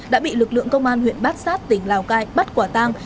đã bị lực lượng công an huyện bát sát tỉnh lào cai bắt quả tang